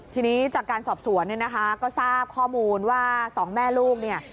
ทีนี้จากการสอบสวนเนี่ยนะคะก็ทราบข้อมูลว่าสองแม่ลูกเนี่ย